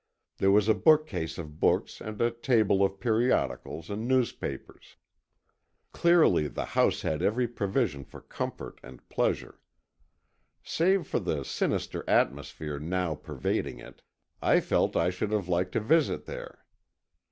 There was a bookcase of books and a table of periodicals and newspapers. Clearly, the house had every provision for comfort and pleasure. Save for the sinister atmosphere now pervading it, I felt I should have liked to visit there.